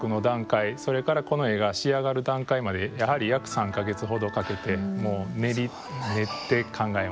それからこの絵が仕上がる段階まで約３か月ほどかけてもう練って考えました。